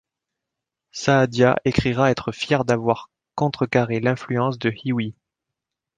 Saadia écrira être fier d'avoir contrecarré l'influence de Ḥiwi.